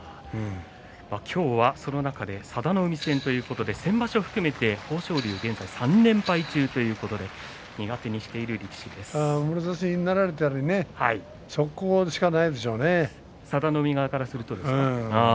今日は、その中で佐田の海戦ということで先場所を含めて、豊昇龍現在３連敗中ということでもろ差しになられたり佐田の海側からするとですね。